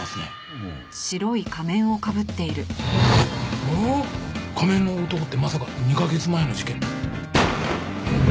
仮面の男ってまさか２カ月前の事件の。